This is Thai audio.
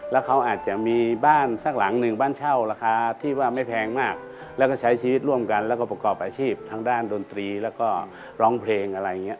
แล้วเขาอาจจะมีบ้านสักหลังหนึ่งบ้านเช่าราคาที่ว่าไม่แพงมากแล้วก็ใช้ชีวิตร่วมกันแล้วก็ประกอบอาชีพทางด้านดนตรีแล้วก็ร้องเพลงอะไรอย่างเงี้